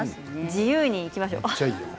自由にいきましょう。